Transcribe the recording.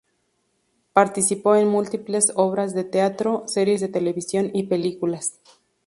Participó en múltiples obras de teatro, series de televisión y películas.